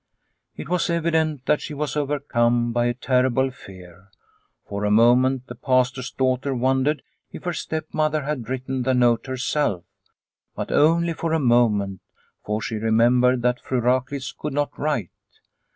It was evident that she was overcome by a terrible fear. For a moment the Pastor's daughter wondered if her stepmother had written the note herself, but only for a moment, for she remembered that Fru Raklitz could not write.